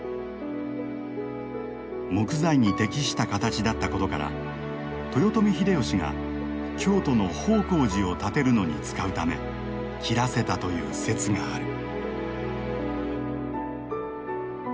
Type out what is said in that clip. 木材に適した形だったことから豊臣秀吉が京都の方広寺を建てるのに使うため切らせたという説がある。